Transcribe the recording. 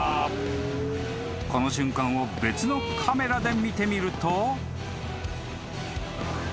［この瞬間を別のカメラで見てみると］